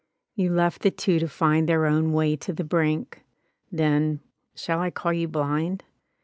You left the two to find Their own way to the brink: Then — shall I call you blind